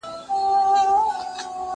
زه پرون د سبا لپاره د يادښتونه بشپړوم